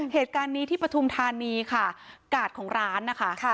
เหตุการณ์นี้ที่ปฐุมธานีค่ะกาดของร้านนะคะ